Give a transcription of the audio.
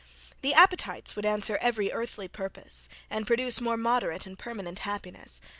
The appetites would answer every earthly purpose, and produce more moderate and permanent happiness.